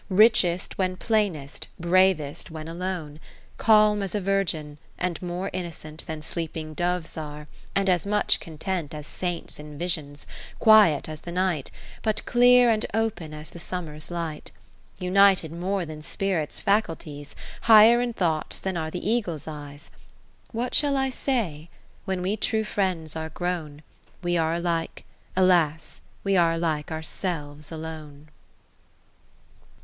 Richest when plainest, bravest when alone ; Calm as a virgin, and more innocent Than sleeping doves are, and as much content 50 As Saints in visions ; quiet as the night, But clear and open as the summer's light ; United more than spirits' faculties, Higher in thoughts than are the eagle's eyes ; What shall I say ? when we true friends are grown, W' are like — Alas, w' are like our selves alone.